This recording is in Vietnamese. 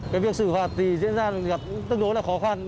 cái việc xử phạt thì diễn ra tương đối là khó khăn